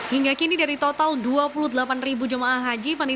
hingga kini dari total dua puluh delapan jemaah haji